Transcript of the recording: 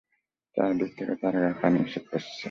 চারদিক থেকে তার গায়ে পানি এসে পড়ছে।